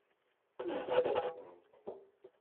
Init-asent.